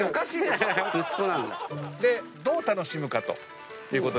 でどう楽しむかということです。